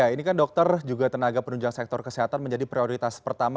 ini kan dokter juga tenaga penunjang sektor kesehatan menjadi prioritas pertama